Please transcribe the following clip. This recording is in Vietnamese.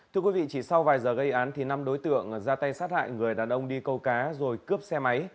thưa quý vị chỉ sau vài giờ gây án thì năm đối tượng ra tay sát hại người đàn ông đi câu cá rồi cướp xe máy